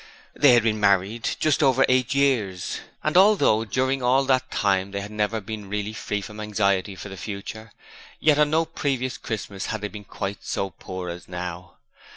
They had been married just over eight years, and although during all that time they had never been really free from anxiety for the future, yet on no previous Christmas had they been quite so poor as now.